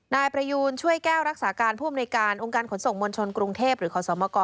นายประยูนช่วยแก้วรักษาการผู้อำนวยการองค์การขนส่งมวลชนกรุงเทพหรือขอสมก